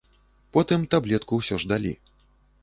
Потым таблетку ўсё ж далі.